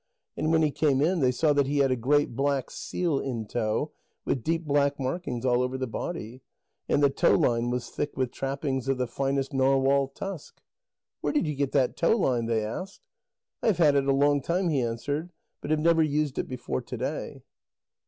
And when he came in, they saw that he had a great black seal in tow, with deep black markings all over the body. And the tow line was thick with trappings of the finest narwhal tusk. "Where did you get that tow line?" they asked. "I have had it a long time," he answered, "but have never used it before to day."